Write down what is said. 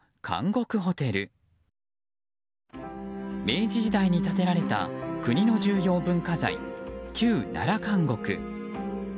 明治時代に建てられた国の重要文化財、旧奈良監獄。